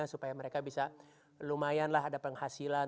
supaya mereka bisa lumayanlah ada penghasilan